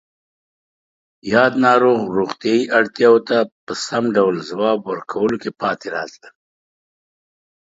یاد ناروغ روغتیایی اړتیاوو ته په سم ډول ځواب ورکولو کې پاتې راتلل